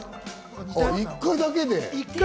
１回だけで？